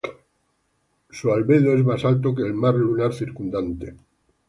Su albedo es más alto que el mar lunar circundante.